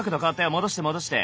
戻して戻して。